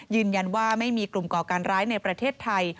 ยืนยันว่าไม่มีกลุ่มก่อการร้ายในประเทศไทย